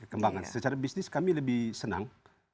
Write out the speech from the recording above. kembangkan secara bisnis kami lebih senang